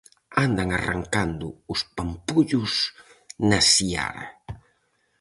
Andan arrancando os pampullos na seara.